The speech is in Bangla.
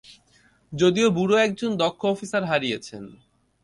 যদিও ব্যুরো একজন দক্ষ অফিসার হারিয়েছেন।